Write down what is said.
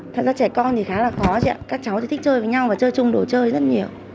thật ra trẻ con thì khá là khó chị ạ các cháu thích chơi với nhau và chơi chung đồ chơi rất nhiều